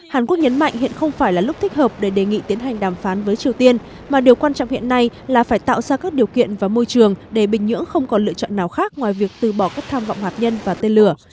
hàn quốc nhấn mạnh hiện không phải là lúc thích hợp để đề nghị tiến hành đàm phán với triều tiên mà điều quan trọng hiện nay là phải tạo ra các điều kiện và môi trường để bình nhưỡng không còn lựa chọn nào khác ngoài việc từ bỏ các tham vọng hạt nhân và tên lửa